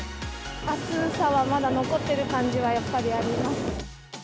暑さはまだ残ってる感じはやっぱりあります。